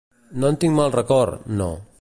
No en tinc mal record, no.